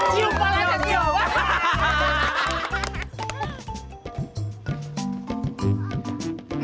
cium palanya cium